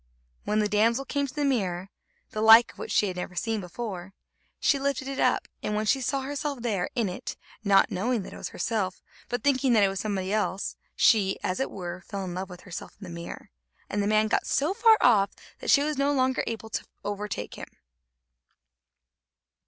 When the damsel came to the mirror, the like of which she had never seen before, she lifted it up, and when she saw herself in it, not knowing that it was herself, but thinking that it was somebody else, she, as it were, fell in love with herself in the mirror, and the man got so far off that she was no longer able to overtake him.